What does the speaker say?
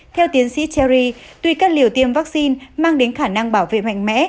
theo tiến sĩ cherry tuy các liều tiêm vaccine mang đến khả năng bảo vệ mạnh mẽ